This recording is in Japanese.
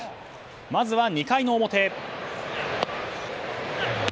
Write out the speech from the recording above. まずは２回の表。